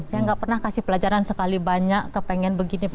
saya nggak pernah kasih pelajaran sekali banyak kepengen begini begini